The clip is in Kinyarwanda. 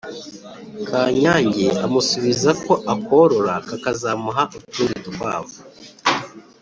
kanyange amusubiza ko akorora kakazamuha utundi dukwavu